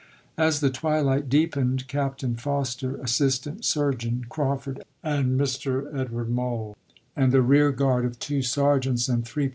As the twilight deepened, Captain Foster, Assist ant Surgeon Crawford, and Mr. Edward Moall, FORT SUMTER 51 and a rear guard of two sergeants and three pri chap.